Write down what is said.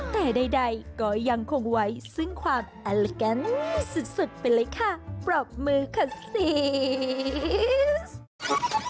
แต่ใดก็ยังคงไว้ซึ่งความแอลลิแกนสุดไปเลยค่ะปรบมือขัดสีส